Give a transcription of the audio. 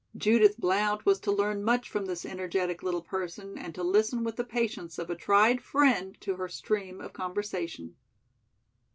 Judith Blount was to learn much from this energetic little person and to listen with the patience of a tried friend to her stream of conversation.